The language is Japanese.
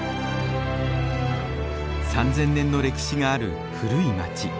３，０００年の歴史がある古い街。